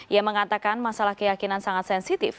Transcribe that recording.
ia mengatakan masalah keyakinan sangat sensitif